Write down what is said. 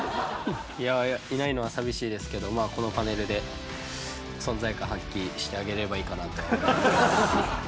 いないのは寂しいですけどこのパネルで存在感、発揮してあげればいいかなと思います。